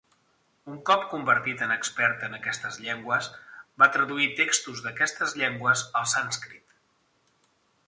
Un cop convertit en expert en aquestes llengües, va traduir textos d'aquestes llengües al sànscrit.